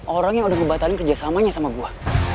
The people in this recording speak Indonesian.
orang yang udah ngebatalin kerjasamanya sama gue